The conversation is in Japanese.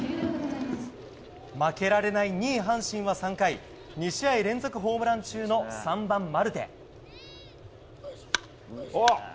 負けられない２位、阪神は３回２試合連続ホームラン中の３番マルテ。